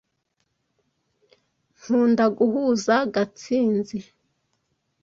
Nkunda guhuza. gatsinzi